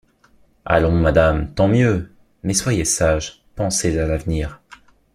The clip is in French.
Allons, madame, tant mieux ; mais soyez sage, pensez à l’avenir...